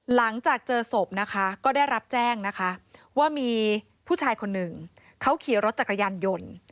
หลังจากเจอศพนะคะก็ได้รับแจ้งนะคะว่ามีผู้ชายคนหนึ่งเขาขี่รถจักรยานยนต์